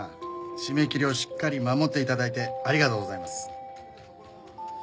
締め切りをしっかり守って頂いてありがとうございます。